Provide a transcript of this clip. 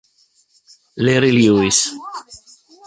Larry Lewis